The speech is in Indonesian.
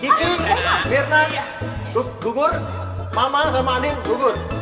kiki mirna gugur mama sama anim gugur